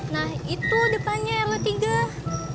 nah itu depannya rw tiga